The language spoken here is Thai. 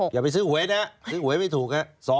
อย่าไปซื้อหวยนะซื้อหวยไม่ถูก